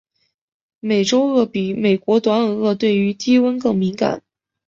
美洲鳄比美国短吻鳄对于低温更敏感。